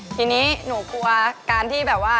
ทีนี้หนูกลัวการที่แบบว่า